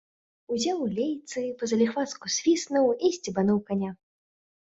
Узяў лейцы, па-заліхвацку свіснуў і сцебануў каня.